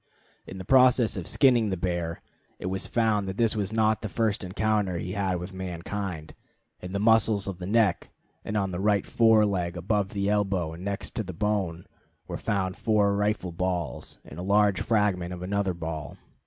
In the process of skinning the bear, it was found that this was not the first encounter he had had with mankind. In the muscles of the neck, and of the right fore leg above the elbow and next to the bone, were found four rifle balls, and a large fragment of another ball.